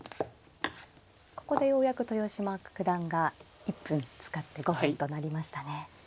ここでようやく豊島九段が１分使って５分となりましたね。